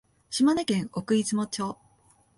島根県奥出雲町